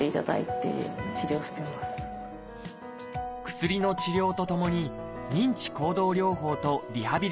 薬の治療とともに認知行動療法とリハビリを始めて１０年。